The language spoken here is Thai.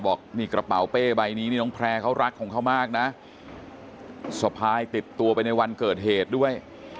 บอกนี่กระเป๋าเป้ใบนี้นี่น้องแพร่เขารักของเขามากนะสะพายติดตัวไปในวันเกิดเหตุด้วย